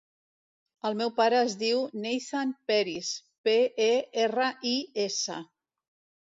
El meu pare es diu Neizan Peris: pe, e, erra, i, essa.